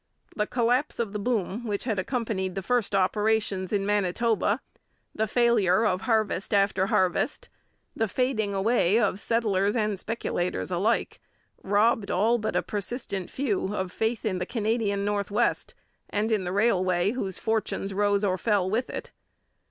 The collapse of the boom which had accompanied the first operations in Manitoba, the failure of harvest after harvest, the fading away of settlers and speculators alike, robbed all but a persistent few of faith in the Canadian North West and in the railway whose fortunes rose or fell with it.